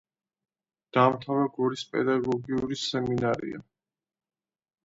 დაამთავრა გორის პედაგოგიური სემინარია.